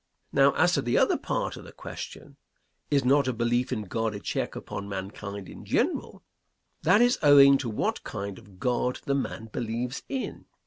Now, as to the other part of the question, "Is not a belief in God a check upon mankind in general?" That is owing to what kind of God the man believes in.